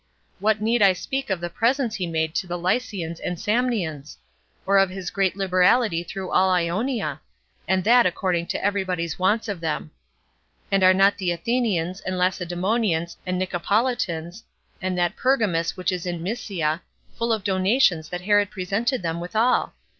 What need I speak of the presents he made to the Lycians and Samnians? or of his great liberality through all Ionia? and that according to every body's wants of them. And are not the Athenians, and Lacedemonians, and Nicopolitans, and that Pergamus which is in Mysia, full of donations that Herod presented them withal?